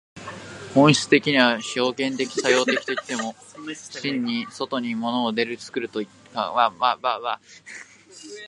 本質的には表現作用的といっても、真に外に物を作るということはできない。